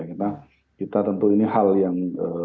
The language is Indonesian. karena kita tentu ini hal yang